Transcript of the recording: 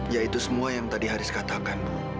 ya itu semua yang tadi haris katakan bu